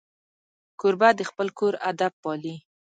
کوربه د خپل کور ادب پالي.